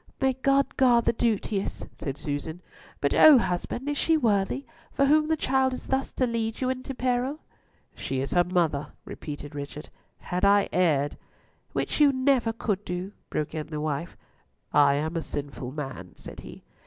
"May God guard the duteous!" said Susan. "But oh! husband, is she worthy, for whom the child is thus to lead you into peril?" "She is her mother," repeated Richard. "Had I erred—" "Which you never could do," broke in the wife. "I am a sinful man," said he.